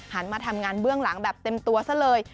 มาทำงานเบื้องหลังแบบเต็มตัวซะเลย